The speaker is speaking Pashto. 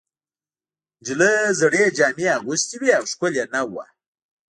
نجلۍ زړې جامې اغوستې وې او ښکلې نه وه.